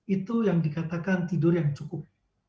itu yang dikatakan tidur yang cukup